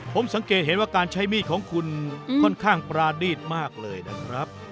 ผมสังเกตเห็นว่าการใช้มีดของคุณค่อนข้างประดีตมากเลยนะครับ